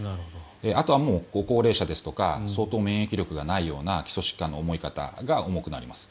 あとはもうご高齢者ですとか相当、免疫力がないような基礎疾患の重い方が重くなります。